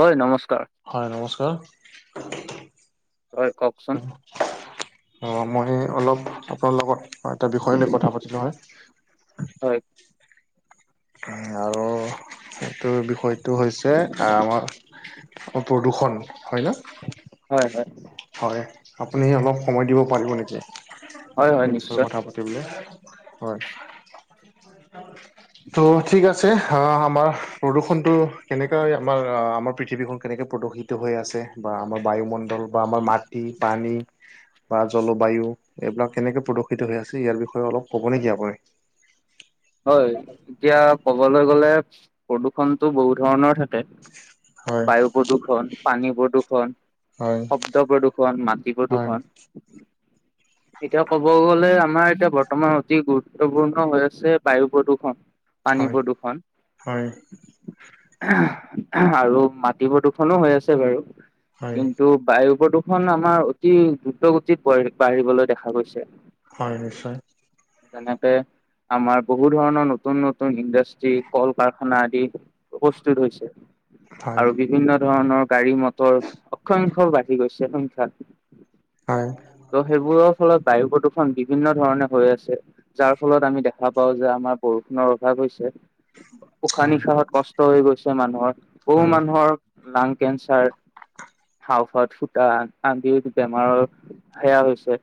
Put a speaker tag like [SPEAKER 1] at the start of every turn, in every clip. [SPEAKER 1] হয়, নমস্কাৰ।
[SPEAKER 2] হয়, নমস্কাৰ।
[SPEAKER 1] হয়, কওঁকচোন।
[SPEAKER 2] অ', মই অলপ আপোনাৰ লগত এটা বিষয় লৈ কথা পাতিলোঁ হয়।
[SPEAKER 1] হয়।
[SPEAKER 2] আৰু সেইটো বিষয়ত টো হৈছে আমাৰ প্ৰদূষণ। হয় না?
[SPEAKER 1] হয়, হয়।
[SPEAKER 2] হয়, আপুনি অলপ সময় দিব পাৰিব নেকি?
[SPEAKER 1] হয় হয়
[SPEAKER 2] এই বিষয়ে
[SPEAKER 1] নিশ্চয়
[SPEAKER 2] কথা পাত পাতিবলে, হয়। ত' ঠিক আছে। ধা আমাৰ প্ৰদূষণটো কেনেকৈ আমাৰ-আ আমাৰ পৃথিৱীখন কেনেকৈ প্ৰদূষিত টো হৈ আছে, বা আমাৰ বায়ুমণ্ডল বা আমাৰ মাটি, পানী বা জলবায়ু, এইবিলাক কেনেকে প্ৰদূষিত হৈ আছে ইয়াৰ বিষয়ে অলপ ক'ব নেকি আপুনি?
[SPEAKER 1] হয়, এতিয়া ক'বলৈ গ'লে প্ৰদূষণটো বহুত ধৰণৰ থাকে।
[SPEAKER 2] হয়
[SPEAKER 1] কে বায়ু প্ৰদূষণ, পানী প্ৰদূষণ।
[SPEAKER 2] হয়
[SPEAKER 1] শব্দ প্ৰদূষণ, মাটি
[SPEAKER 2] হয়
[SPEAKER 1] প্ৰদূষণ। এতিয়া ক'ব গ'লে আমাৰ এতিয়া বৰ্তমান অতি গুৰুত্বপূৰ্ণ হৈ আছে বায়ু প্ৰদূষণ,
[SPEAKER 2] হয়।
[SPEAKER 1] পানী প্ৰদূষণ।
[SPEAKER 2] হয়
[SPEAKER 1] [inaudible] আৰু মাটি প্ৰদূষনো হৈ আছে বাৰু।
[SPEAKER 2] হয়
[SPEAKER 1] কিন্তু বায়ু প্ৰদূষণ আমাৰ অতি দ্ৰুত গতিত বাঢ়ি-বাঢ়িবলৈ দেখা গৈছে।
[SPEAKER 2] হয়, নিশ্চয়।
[SPEAKER 1] তেনেকে আমাৰ বহু ধৰণৰ নতুন নতুন ইণ্ডাষ্ট্ৰি, কল কাৰখানা আদি প্ৰস্তুত হৈছে।
[SPEAKER 2] হয়
[SPEAKER 1] আৰু বিভিন্ন ধৰণৰ গাড়ী মটৰ, অসংখ্য বাঢ়ি গৈছে সংখ্যা।
[SPEAKER 2] হয়
[SPEAKER 1] ত' সেইবোৰৰ ফলত বায়ু প্ৰদূষণ বিভিন্ন ধৰণে হৈ আছে। যাৰ ফলত আমি দেখা পাওঁ যে আমাৰ বৰষুণৰ অভাৱ হৈছে। উশাহ
[SPEAKER 2] হয়
[SPEAKER 1] নিশাহত কষ্ট হৈ গৈছে মানুহৰ। বহু
[SPEAKER 2] হয়
[SPEAKER 1] মানুহৰ লাং কেঞ্চাৰ হাওফাওত ফুটা, আদিৰ বেমাৰৰ সেয়া হৈছে।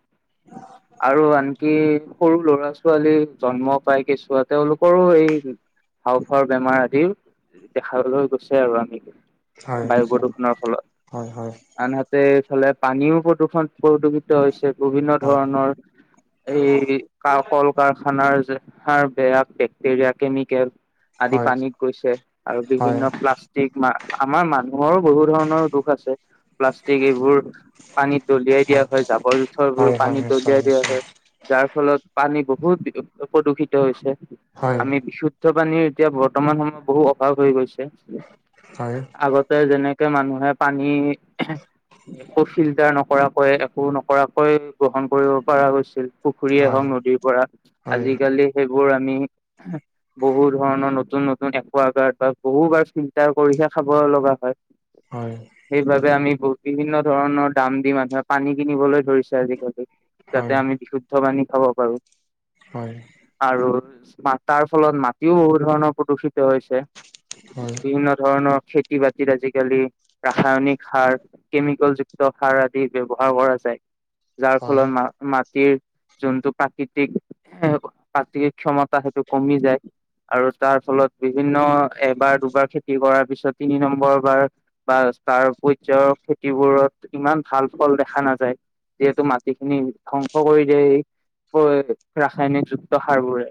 [SPEAKER 1] আৰু আনকি সৰু লৰা ছোৱালীৰ জন্মক পাই কেচুৱা, তেওঁলোকৰো এই হাউফাওৰ বেমাৰ আদি দেখাবলৈ গৈছে আৰু আমি,
[SPEAKER 2] হয়
[SPEAKER 1] বায়ু
[SPEAKER 2] নিশ্চয়
[SPEAKER 1] প্ৰদূৰষণৰ ফলত,
[SPEAKER 2] হয় হয়
[SPEAKER 1] আনহাতে এইফালে পানীও প্ৰদূষণ, প্ৰদূষিত হৈছে, বিভিন্ন
[SPEAKER 2] হয়
[SPEAKER 1] ধৰণৰ এই কল কাৰখানাৰাৰ বেয়া বেক্টেৰিয়া, কেমিকেল। আদি
[SPEAKER 2] হয়
[SPEAKER 1] পানীত গৈছে আৰু
[SPEAKER 2] হয়
[SPEAKER 1] বিভিন্ন প্লাচ ট্ৰিক, মা আমাৰ মানুহৰো বহু ধৰণৰ দোষ আছে। প্লাষ্টিক এইবোৰ পানীত দলিয়াই দিয়া হয়, জাবৰ জোথৰ বোৰ
[SPEAKER 2] হয় হয়
[SPEAKER 1] পানীত
[SPEAKER 2] নিশ্চয়
[SPEAKER 1] দলিয়াই দিয়া
[SPEAKER 2] নিশ্চয়
[SPEAKER 1] হয়। যাৰফলত পানী বহুত প্ৰদূষিত হৈছে,
[SPEAKER 2] হয়
[SPEAKER 1] আমি বিশুদ [unintelligible] পানী এতিয়া বৰ্তমান সময়ত বহু অভাৱ হৈ গৈছে।
[SPEAKER 2] হয়।
[SPEAKER 1] আগতে যেনেকে মানুহে পানী একো ফিল্টাৰ নকৰাকৈ, একো নকৰাকৈ, গ্ৰহণ কৰিব পৰা গৈছিল। পুখুৰীয়েই
[SPEAKER 2] হয়
[SPEAKER 1] হওঁক নদীৰ পৰা,
[SPEAKER 2] হয়
[SPEAKER 1] আজিকালি সেইবোৰ আমি বহু ধৰণৰ নতুন নতুন একাগাৰ্ড বা বহু বাৰ ফিল্টাৰ কৰিহে খাব লগা হয়।
[SPEAKER 2] হয়।
[SPEAKER 1] সেইবাবে আমি বিভিন্ন ধৰণৰ দাম দি, মানুহে পানী কিনিবলৈ ধৰিছে আজিকালি।
[SPEAKER 2] হয়
[SPEAKER 1] যাতে আমি বিশুদ্ধ পানী খাব পাৰো।
[SPEAKER 2] হয়।
[SPEAKER 1] আৰু তাৰফলত মাটিও বহুত ধৰণৰ প্ৰদূষিত হৈছে।
[SPEAKER 2] হয়।
[SPEAKER 1] বিভিন্ন ধৰণৰ খেতি বাতিৰ আজিকালি ৰাসায়নিক সাৰ, কেমিকেলযুক্ত সাৰ আদি ব্যৱহাৰ কৰা যায়। যাৰ ফলত
[SPEAKER 2] হয়
[SPEAKER 1] মা-মাটিৰ যোনটো প্ৰাকৃতিক মাটিৰ ক্ষমতা, সেইটো কমি যায়। আৰু তাৰফলত বিভিন্ন, এবাৰ দুবাৰ খেতি কৰাৰ পিছত তিনি নম্বৰ বাৰ বা তাৰ পৰ্যায়ৰ খেতিবোৰত ইমান ভাল ফল দেখা নাযায়। যিহেতু মাটিখিনি ধ্বংস কৰি দিয়ে সি। ৰাসায়নিকযুক্ত সাৰ বোৰে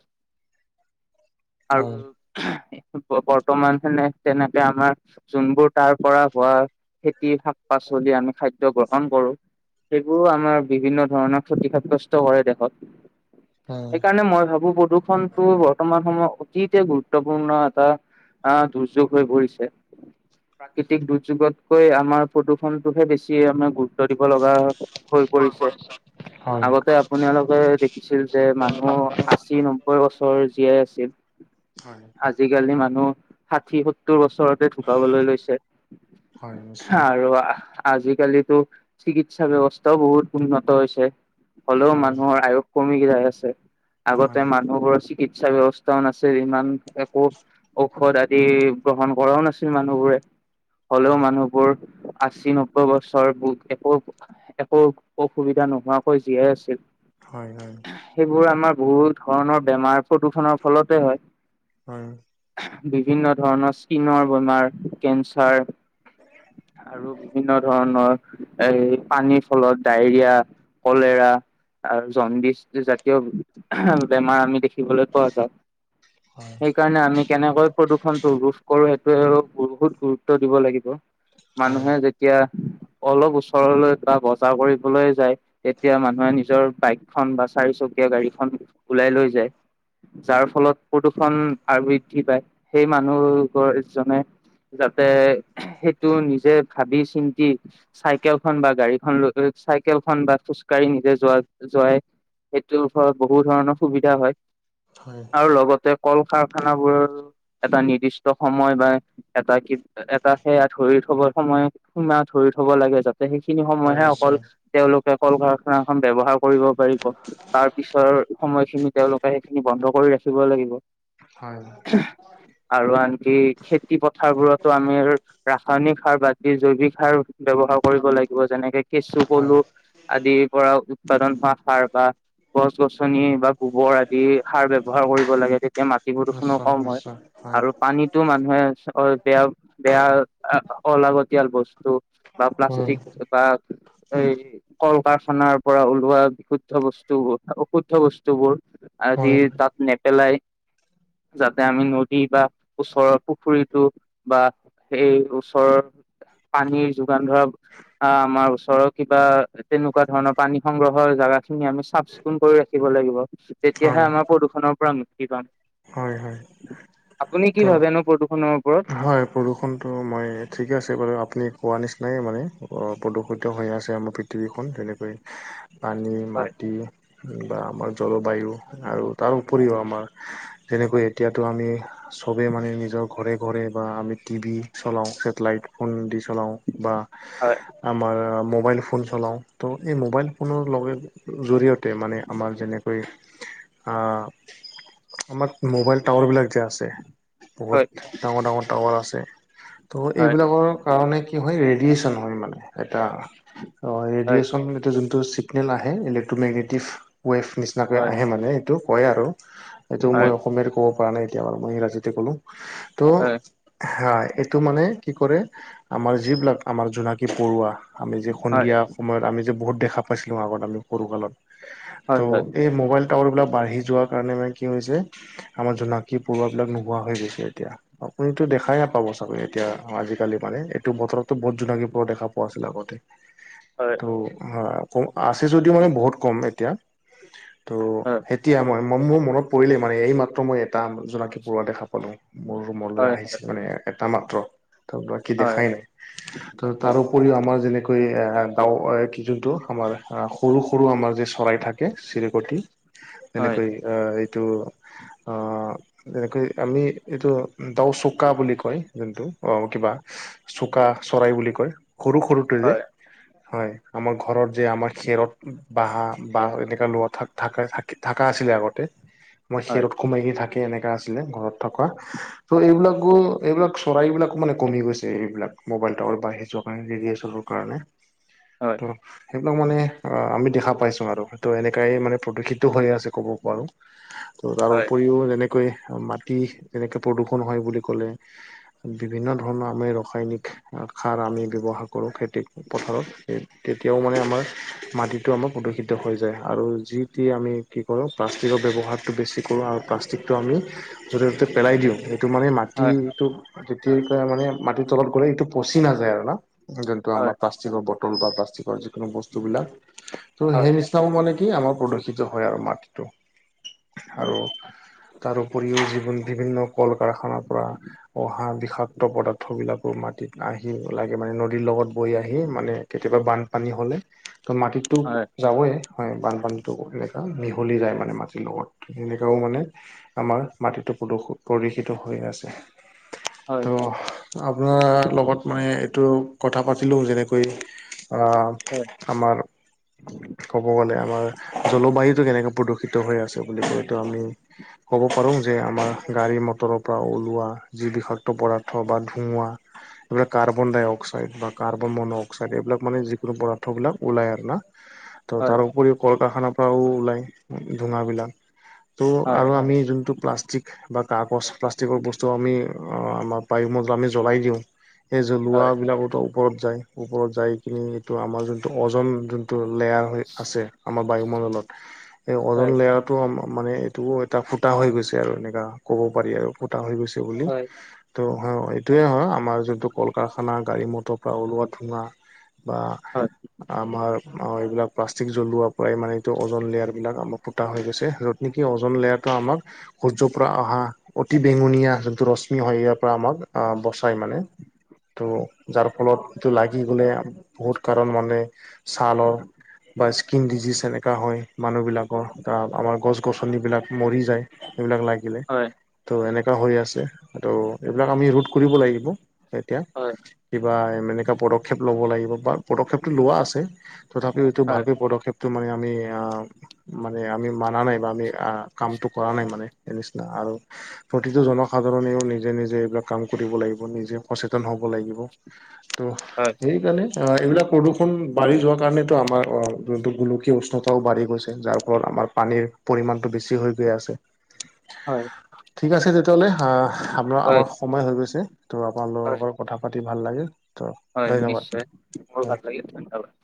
[SPEAKER 2] হয়
[SPEAKER 1] আৰু বৰ্তমান [unintelligible] তেনেকে আমাক যোনবোৰ তাৰ পৰা হোৱা, খেতিৰ শাক পাচলি আমি খাদ্য গ্ৰহণ কৰো। সেইবোৰো আমাৰ বিভিন্ন ধৰণৰ ক্ষতি সাৱ্যস্ত কৰে দেহত।
[SPEAKER 2] হয়
[SPEAKER 1] সেইকাৰণে মই ভাবোঁ প্ৰদূষণ টো বৰ্তমান সময়ত অতিকে গুৰুত্বপূৰ্ণ এটা আহ দুৰ্যোগ হৈ পৰিছে। প্ৰাকৃতিক দুৰ্যোগতকৈ আমাৰ প্ৰদূষণটোহে বেছি আমাৰ গুৰুত্ব গুৰুত্ব দিব লগা হৈ পৰিছে,
[SPEAKER 2] হয় হয়
[SPEAKER 1] আগতে আপোনালোকে ছিল যে, মানুহ আশী নব্বৈ বছৰ জীয়াই আছিল।
[SPEAKER 2] হয়
[SPEAKER 1] আজিকালি মানুহ, ষাঠি সত্তৰ বছৰত ঢুকাবলৈ লৈছে
[SPEAKER 2] হয় নিশ্চয়
[SPEAKER 1] আৰু আজিকালি ত' চিকিৎসা ব্যৱস্থাও বহুত উন্নত হৈছে, হ'লেও
[SPEAKER 2] হয়
[SPEAKER 1] মানুহৰ আয়ুস কমি যাই আছে, আগতে
[SPEAKER 2] হয়
[SPEAKER 1] মানুহবোৰৰ চিকিৎসা ব্যৱস্থাও নাছিল, ইমান একো ঔষধ আদি গ্ৰহণ কৰাও নাছিল মানুহবোৰে। হ'লেও
[SPEAKER 2] হয়
[SPEAKER 1] মানুহবোৰ আশী নব [unintelligible] বছৰ, একো একো অসুবিধা নোহোৱাকৈ জীয়াই আছিল।
[SPEAKER 2] হয় হয়।
[SPEAKER 1] সেইবোৰ আমাৰ বহুত ধৰণৰ বেমাৰ, প্ৰদূষনৰৰ ফলতেই হয়।
[SPEAKER 2] হয়।
[SPEAKER 1] বিভিন্ন ধৰণৰ স্কিনৰ বেমাৰ, কেন্ঞ্চাৰ। আৰু বিভিন্ন ধৰণৰ। এই পানীৰ ফলত, ডায়েৰিয়া, কলেৰা আৰু জণ্ডিছ। জাতীয় বেমাৰ আমি দেখিবলৈ পোৱা যাওঁ,
[SPEAKER 2] হয় হয়
[SPEAKER 1] সেইকাৰণে আমি। কেনেকৈ প্ৰদূষণটো ৰোধ কৰো, সেইটো বহুত গুৰুত্ব দিব লাগিব,
[SPEAKER 2] হয়
[SPEAKER 1] মানুহে যেতি কিয়? অলপ, ওচৰলৈ বা বজাৰ কৰিবলৈ যায়, তেতিয়া মানুহে নিজৰ বাইক খন বা চাৰি, চকীয়া গাড়ীখন ওলাই লৈ যায়। যাৰ ফলত প্ৰদূষণ আৰু বৃদ্ধি পায়, সেই মানুহৰ এজনে। যাতে সেইটো, নিজে ভাবি চিন্তি। চাইকেলখন বা গাড়ীখন, লৈ লৈ চাইকেল খন বা খোজকাঢ়ি নিজে যোৱা, যোৱাই। সেইটো ওপৰত বহু ধৰণৰ সুবিধা হয়।
[SPEAKER 2] হয়।
[SPEAKER 1] আৰু লগতে কল-কাৰাৰখান বোৰৰ এটা নিৰ্দিষ্ট সময়, বা এটা কি, এটা সেয়া ধৰি থব সময়, সোমা ধৰি থব লাগে, য সেইখিনি
[SPEAKER 2] হয়
[SPEAKER 1] সময়হে
[SPEAKER 2] নিশ্চয়
[SPEAKER 1] অকল, তেওঁলোকে কল- কাৰখানাখন ব্যৱহাৰ কৰিব পাৰিব। তাৰ পিছৰ সময়খিনি তেওঁলোকে সেইখিনি বন্ধ কৰি ৰাখিব লাগিব।
[SPEAKER 2] হয়, হয়।
[SPEAKER 1] আৰু আনকি খেতি পথাৰবোৰতো আমিৰ ৰাসায়নিক সাৰ বাদ দি, জৈৱিক সাৰ ব্যৱহাৰ কৰিব লাগিব যেনেকে,
[SPEAKER 2] হয়
[SPEAKER 1] কেঁচু-পলু আদিৰ পৰা উৎপাদন হোৱা সাৰ। বা, গছ গছনিৰ বা। গোবৰ আদি সাৰ ব্যৱহাৰ কৰিব লাগে, তেতিয়া মাটি প্ৰদূষণো
[SPEAKER 2] নিশ্চয়
[SPEAKER 1] কম হয়
[SPEAKER 2] নিশ্চয় হয়
[SPEAKER 1] আৰু পানীত। টো, মানুহে অ, এতিয়া বেয়া, অলাগতিয়াল বস্তু। বা
[SPEAKER 2] হয়
[SPEAKER 1] প্লাষ্টিক বা এই কল-কাৰখানাৰ পৰা ওলোৱা বিশুদ্ধ। শুদ্ধ বস্তুবোৰ, অশুদ্ধ বস্তুবোৰ, আদি
[SPEAKER 2] হয়
[SPEAKER 1] তাত নেপেলাই। যাতে আমি নদী বা ওচৰৰ পুখুৰীতটো বা। সেই ওচৰৰ, পানীৰ যোগান ধৰা। আ, আমাৰ ওচৰৰ কিবা, তেনেকুৱা ধৰণৰ পানী সংগ্ৰহৰ জাগা খিনি, আমি চাফ-চিকুণ কৰি ৰাখিব লাগিব, তেতিয়াহে
[SPEAKER 2] হয়
[SPEAKER 1] আমাৰ প্ৰদূষণৰ পৰা মুক্তি পাম।
[SPEAKER 2] হয়, হয়।
[SPEAKER 1] আপুনি
[SPEAKER 2] ত'
[SPEAKER 1] কি ভাবে নো, প্ৰদূষণৰ ওপৰত?
[SPEAKER 2] হয়, প্ৰদূষণটো মই ঠিকে আছে বাৰু, আপুনি কোৱা নিচিনাই মানে, প্ৰদূষিত হৈ আছে আমাৰ পৃথিৱীখন যেনেকৈ পানী-
[SPEAKER 1] হয়
[SPEAKER 2] মাটি। বা আমাৰ জলবায়ু আৰু তাৰ উপৰিও আমাৰ। যেনেকৈ এতিয়াতো আমি, চবে মানে নিজৰ ঘৰে, ঘৰে। বা আমি টিভি চলাওঁ, ছেটেলাইট ফোন দি, চলাওঁ বা।
[SPEAKER 1] হয়।
[SPEAKER 2] আমাৰ মোবাইল ফোন চলাওঁ, ত, এই মোবাইল ফোনৰ লগে জৰিয়তে মানে, আমাৰ যেনেকৈ আ, আমাৰ মোবাইল টাৱাৰ বিলাক যে, আছে। বহুত
[SPEAKER 1] হয়
[SPEAKER 2] ডাঙৰ, ডাঙৰ টাৱাৰ আছে। ত,
[SPEAKER 1] হয়
[SPEAKER 2] এইবিলাকৰ। কাৰণে কি হয়, ৰেডিয়েচন হয় মানে, এটা অ,
[SPEAKER 1] হয়
[SPEAKER 2] ৰেডিয়েচন এটো যোনটো [inaudible] ইলেক্ট্ৰমেগেটিভ ৱেভ, নিচিনাকৈ
[SPEAKER 1] হয়
[SPEAKER 2] আহে মানে সেইটো, কয় আৰু। সেইটো মই অসমীয়াৰে ক'ব পৰা নাই এতিয়া বাৰু, মই ইংৰাজীতে ক'লো,
[SPEAKER 1] হয়
[SPEAKER 2] ত' হা, এইটো মানে কি কৰে, আমাৰ যিবিলাক আমাৰ জোনাকী পৰুৱা আমি যে
[SPEAKER 1] হয় হয়
[SPEAKER 2] সন্ধিয়া সময়ত, আমি যে বহুত দেখা পাইছিলোঁ আগত আমি সৰুকালত। ত',
[SPEAKER 1] হয় হয়
[SPEAKER 2] এই মোবাইল টাৱাৰ বিলাক বাঢ়ি যোৱা কাৰণে মানে কি হৈছে আমাৰ জোনাকী পৰুৱাবিলাক নোহোৱা হৈ গৈছে এতিয়া। আপুনি টো দেখাই নাপাব চাগে, এতিয়া আজিকালি মানে এইটো বতৰতো বহুত জোনাকী পৰুৱা দেখা পো পোৱা আছিল আগতে।
[SPEAKER 1] হয়।
[SPEAKER 2] হয়, আছে যদিও মানে বহুত কম এতিয়া। ত' এতিয়া মই মই মোৰ মনত পৰিলেই মানে, এই মাত্ৰ মই এটা জোনাকী পৰুৱা দেখা পালো, মোৰ
[SPEAKER 1] হয় হয় হয়
[SPEAKER 2] ৰুমলৈ
[SPEAKER 1] হয়
[SPEAKER 2] আহি। মানে এটা মাত্ৰ, বাকী দেখাই নাই। ত', তাৰ উপৰিও আমাৰ যেনেকৈ ডাও কি যোনটো, আমাৰ সৰু- সৰু আমাৰ যে চৰাই থাকে। চিৰিকটি
[SPEAKER 1] হয় হয় হয়
[SPEAKER 2] তেনেকৈ এইটো অ', এনেকৈ আমি এইটো তাও চোকা বুলি কয়, যোনটো অ', কিবা চোকা চৰাই বুলি কয়, সৰু- সৰুটো যে। হয়, আমাৰ ঘৰত যে আমাৰ খেৰত বাহ-বাহা এনেকাে লোৱা থাকা-থাক থাকা আছিলে আগতে। মই
[SPEAKER 1] হয়
[SPEAKER 2] খেৰত সোমাই হে থাকে, এনেকা আছিলে ঘৰত থকা। ত' এইবিলাক আকৌ এইবিলাক চৰাইবিলাকো মানে কমি গৈছে, এইবিলাক মোবাইল টাৱাৰ বাঢ়ি যোৱাৰ কাৰণে, ৰেডিয়েচনৰ কাৰণে। [inaudible]
[SPEAKER 1] হয়।
[SPEAKER 2] সেইবিলাক মানে আমি দেখা পাইছো আৰু, ত' এনেকাই মানে প্ৰদূষিতো হৈ আছে ক'ব পাৰো। ত, তাৰ
[SPEAKER 1] হয়
[SPEAKER 2] উপৰিও যেনেকৈ মাটি, যেনেকে প্ৰদূষণ হয় বুলি ক'লে, বিভিন্ন ধৰণৰ আমি ৰসায়নিক সাৰ আমি ব্যৱহাৰ কৰোঁ খেতিক পথাৰত সে তেতিয়াও মানে আমাৰ মাটিটো আমাৰ প্ৰদূষিত হৈ যায়। আৰু যি- টি আমি কি কৰোঁ, প্লাষ্টিকৰ ব্যৱহাৰটো বেছি কৰোঁ, আৰু প্লাষ্টিকটো আমি য'তে-ত'তে পেলাই দিওঁ, সেইটো মানে মা
[SPEAKER 1] হয়
[SPEAKER 2] টিটো তেতিয়া মানে মাটিৰ তলত গ'লে এইটো পচি নাযায় আৰু ন, যোনটো আমাৰ প্লাষ্টি প্লাষ্টিকৰ বটল বা প্লাষ্টিকৰ যিকোনো বস্তুবিলাক ত, সেই [unintelligible] মানে কি, আমাৰ প্ৰদূষিত হয় আৰু মাটিটো। আৰু তাৰ উপৰিও যিবোৰ বিভিন্ন কল- কাৰখানাৰ পৰা অহা বিষাক্ত পদাৰ্থবিলাকো মাটিত আহি লাগে মানে নদীৰ লগত বৈ আহি মানে কেতিয়াবা বানপানী হ'লে ত', মাটিত যাবয়ে হয়, বানপানীতো এনেকুৱা মিহলি যায় মানে মাটিৰ লগত। সেনেকাও মানে আমাৰ মাটিটো প্ৰদূষ- প্ৰদূষিত হৈ আছে। ত'। অ, আপোনাৰ লগত মানে এইটো কথা পাতিলো যেনেকৈ আ, আমাৰ ক'ব গ'লে, আমাৰ জলবায়ুতটো কেনেকে প্ৰদূষিত হৈ আছে বুলি কয়তো আমি ক'ব পাৰো যে, আমাৰ গাড়ী মটৰৰ পৰা ওল লোৱা যি বিষাক্ত পদাৰ্থ বা ধোৱা, এইবিলাক কাৰ্বন-ডাই-অক্সাইড কাৰ্বন-মন-অক্সাইড, এইবিলাক মানে যিকোনো পদাৰ্থবিলাক ওলায় আৰু না, ত', তাৰ উপৰিও কল-কাৰখানাৰ পৰাও ওলাই ধোৱাবিলাক, ত',
[SPEAKER 1] হয় হয়
[SPEAKER 2] আৰু আমি যোনটো প্লাষ্টিক বা কাগজ, প্লাষ্টিকৰ বস্তু আমি আমাৰ বায়ুমণ্ডলত আমি জ্বলাই দিওঁ সেই
[SPEAKER 1] হয়
[SPEAKER 2] জ্বলোৱাবিলাকোতো ওপৰত যায়, ওপৰত যাই কিনে এইটো আমাৰ যোনটো আমাৰ অ'জন যোন টো লেয়াৰ হৈ আছে আমাৰ বায়ুমণ্ডলত এই অজন
[SPEAKER 1] হয়
[SPEAKER 2] লেয়াৰত টো মানে এইটোও এটা ফুটা হৈ গৈছে আৰু এনেকা ক'ব পাৰি আৰু ফুটা হৈ গৈছে। বুলি
[SPEAKER 1] হয়
[SPEAKER 2] ত হয় এইটোয়ে হয় আমাৰ যোনটো কল কাৰখানাৰ গাড়ী মটৰৰ পৰা ওলোৱা ধোৱা বা
[SPEAKER 1] হয়।
[SPEAKER 2] আমাৰ অ' এইবিলাক প্লাষ্টিক জ্বলোৱাৰ পৰাই মানে এইটো অজন লেয়াৰ বিলাক আমাৰ ফুটা হৈ গৈছে য'ত নেকি অজন লেয়ৰটো আমাক সূৰ্যৰ পৰা অহা অতি বেঙুনীয়া যোনটো ৰশ্মি হয় ইয়াৰ পৰা আমাক বচায় মানে। ত' যাৰ ফলত এইটো লাগি গ'লে বহুত কাৰণ মানে ছালৰ বা স্কিন ডিজিজ এনেকুৱা হয় মানুহবিলাকৰ, আমাৰ গছ গছনিবিলাক মৰি যায়। এইবিলাক লাগে
[SPEAKER 1] হয়
[SPEAKER 2] ত' এনেকুৱা হৈ আছে ত' এইবিলাক আমি ৰোধ কৰিব লাগিব এতিয়া
[SPEAKER 1] হয়।
[SPEAKER 2] কিবা এনেকুৱা পদক্ষেপ ল'ব লাগিব বা পদক্ষেপটো লোৱা আছে। তথাপিও এইটো
[SPEAKER 1] হয়
[SPEAKER 2] ভালকৈ পদক্ষেপটো মানে আমি আহ মানে আমি মানা নাই বা আমি কামটো কৰা নাই মানে সেই নিচিনা আৰু। প্ৰতিটো জন সাধাৰণেও নিজে নিজে এইবিলাক কাম কৰিব লাগিব নিজে সচেতন হ'ব লাগিব ত'
[SPEAKER 1] হয়।
[SPEAKER 2] সেইকাৰণে এইবিলাক প্ৰদূষণ বাঢ়ি যোৱাৰ কাৰণেতো আমাৰ যোনটো গোলকীয় উষ্ণতাও বাঢ়ি গৈছে যাৰ আমাৰ পানীৰ পৰিমাণটো বেছি হৈ গৈ আছে।
[SPEAKER 1] হয়।
[SPEAKER 2] ঠিক আছে তেতিয়াহলে আহ আপোনাৰ আমাৰ
[SPEAKER 1] হয়
[SPEAKER 2] সময় হৈ গৈছে ত' আপোনাল
[SPEAKER 1] হয়
[SPEAKER 2] লগৰ কথা পাতি ভাল লাগিল। ত'
[SPEAKER 1] হয়
[SPEAKER 2] ধন্যবাদ
[SPEAKER 1] নিশ্চয় মোৰো ভাল লাগিল ধন্যবাদ।